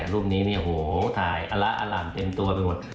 รูปนี้เนี่ยถ่ายอัลล่ะเต็มตัวไปกว่า